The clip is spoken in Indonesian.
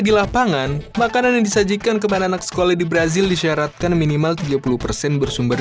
di lapangan makanan yang disajikan kepada anak sekolah di brazil disyaratkan minimal tiga puluh persen bersumber